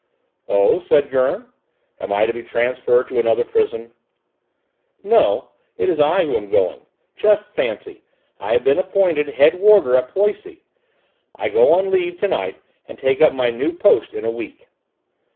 "Oh?" said Gurn. "Am I to be transferred to another prison?" "No, it's I who am going. Just fancy, I have been appointed head warder at Poissy; I go on leave to night, and take up my new post in a week."